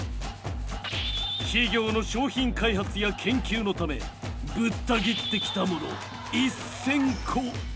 企業の商品開発や研究のためぶった切ってきたもの１，０００個以上。